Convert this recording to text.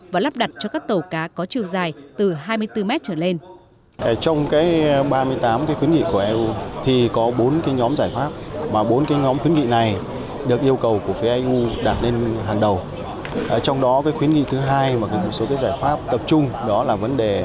và lắp đặt cho các tàu cá có chiều dài từ hai mươi bốn mét trở lên